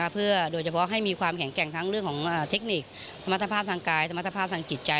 เพื่อโดยเฉพาะให้มีความแข็งแกร่งทั้งเรื่องของเทคนิคสมรรถภาพทางกายสมรรถภาพทางจิตใจ